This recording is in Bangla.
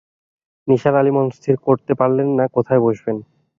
নিসার আলি মনস্থির করতে পারলেন না কোথায় বসবেন।